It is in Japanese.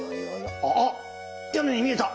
あっ屋根に見えた！